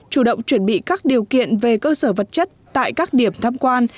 chủ động chuẩn bị các điều kiện về cơ sở vật chất tại các điểm tham quan